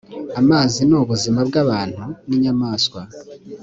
amazi ni ubuzima bw’ abantu n’ inyamaswa